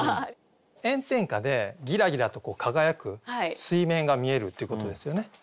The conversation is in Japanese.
炎天下でぎらぎらと輝く水面が見えるっていうことですよね。